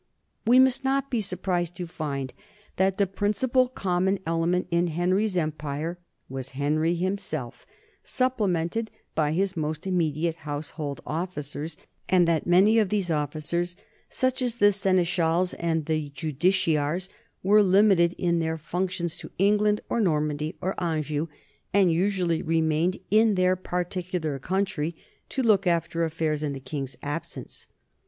We must not be surprised to find that the principal common element in Henry's empire was Henry himself, supplemented by his most immediate household officers, and that many of these officers, such as the seneschals and the justiciars, were limited in their functions to England or Normandy or Anjou, and usually remained in their particular country to look after affairs in the king's absence.